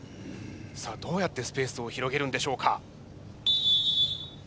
さあどうやってスペースを広げるんでしょうか？